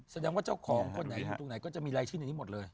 แสดงว่าเจ้าของคนไหนอยู่ตรงไหนก็จะมีรายชื่อในนี้หมดเลย